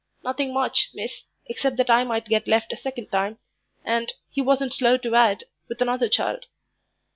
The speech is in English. "Nothing much, miss, except that I might get left a second time and, he wasn't slow to add, with another child."